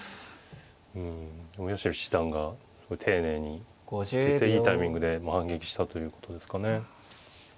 うん八代七段が丁寧にいいタイミングで反撃したということですかね。